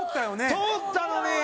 ・通ったのに・